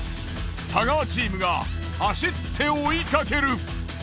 太川チームが走って追いかける。